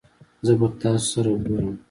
زه به تاسو سره ګورم